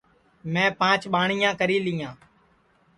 میں پانچ ٻاٹِؔیاں کری لیاں